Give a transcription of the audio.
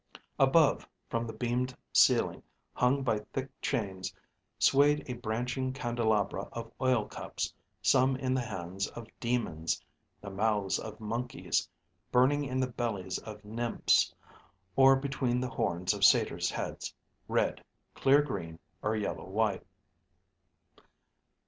Above, from the beamed ceiling, hung by thick chains, swayed a branching candelabra of oil cups, some in the hands of demons, the mouths of monkeys, burning in the bellies of nymphs, or between the horns of satyrs' heads red, clear green, or yellow white.